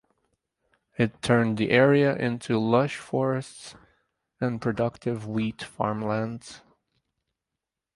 It turned the area into lush forests and productive wheat farmlands.